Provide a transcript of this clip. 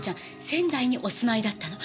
仙台にお住まいだったの。